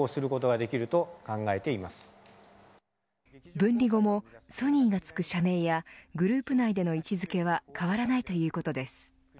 分離後もソニーが付く社名やグループ内での位置付けは変わらないということです。